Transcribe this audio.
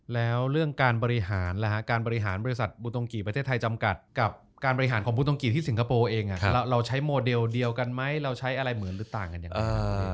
แล้วเรื่องการบริหารการบริหารบริษัทบูตรงกี่ประเทศไทยจำกัดกับการบริหารของบูตรงกี่ที่สิงคโปร์เองเราใช้โมเดลเดียวกันไหมเราใช้อะไรเหมือนหรือต่างกันยังไง